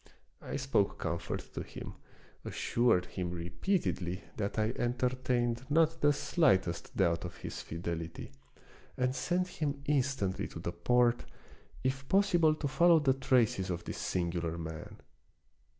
I spoke comfort to him, assured him repeatedly that I entertained not the slightest of Peter Schlemi/il. 25 doubt of his fidelity, and sent him instantly to the port, if possible to follow the traces of this singular man.